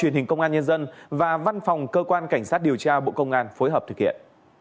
truyền hình công an nhân dân và văn phòng cơ quan cảnh sát điều tra bộ công an phối hợp thực hiện